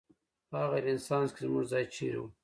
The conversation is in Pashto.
په هغه رنسانس کې زموږ ځای چېرې و؟